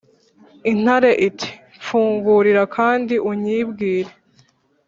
intare iti: "Mfungurira kandi unyibwire"